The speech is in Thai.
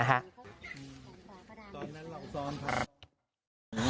ทางด้านพ่อของผู้เสียหายครับคุณพ่อสะกลบอกว่าลูกสาวเนี่ยหมดค่าทักษาไปกว่าสองนึงนะครับ